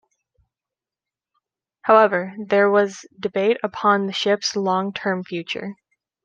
However, there was debate upon the ship's long-term future.